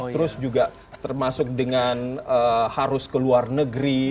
terus juga termasuk dengan harus ke luar negeri